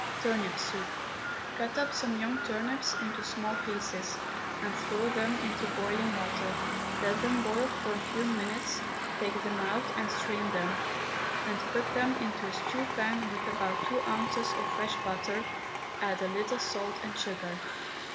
TURNIP SOUP. Cut up some young turnips into small pieces, throw them into boiling water, let them boil for a few minutes, take them out and strain them, and put them into a stew pan with about two ounces of fresh butter; add a little salt and sugar.